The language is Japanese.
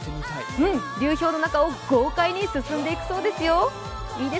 流氷の中を豪快に進んでいくそうですよ。